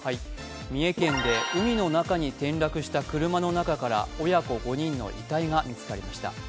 三重県で海の中に転落した車の中から親子５人の遺体が見つかりました。